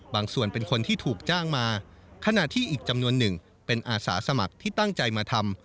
ส่วนเป็นคนที่ถูกจ้างมาขณะที่อีกจำนวนหนึ่งเป็นอาสาสมัครที่ตั้งใจมาทำ